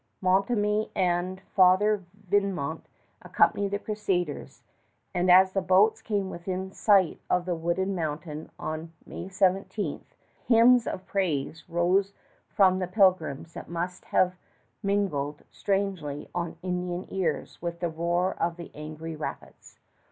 Montmagny and Father Vimont accompanied the crusaders; and as the boats came within sight of the wooded mountain on May 17, hymns of praise rose from the pilgrims that must have mingled strangely on Indian ears with the roar of the angry rapids.